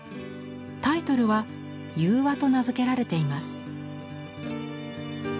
タイトルは「融和」と名付けられています。